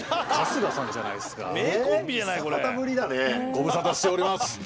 ご無沙汰しております。